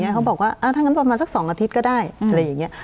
เขาบอกว่าถ้างั้นประมาณสัก๒อาทิตย์ก็ได้อะไรอย่างนี้